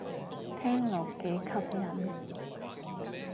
聽落幾吸引